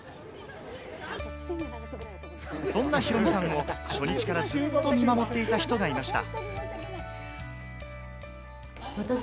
そんなヒロミさんを初日からずっと見守っていた人がいました。